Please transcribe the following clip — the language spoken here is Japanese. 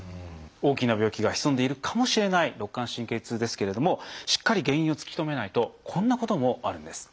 大きな病気が潜んでいるかもしれない肋間神経痛ですけれどもしっかり原因を突き止めないとこんなこともあるんです。